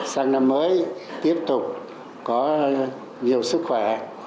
sang năm mới tiếp tục có nhiều sức khỏe